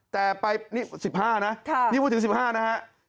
แต่ไปนี่๑๕นะนี่พูดถึง๑๕นะฮะ